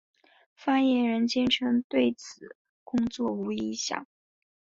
发言人坚称此对工作无影响。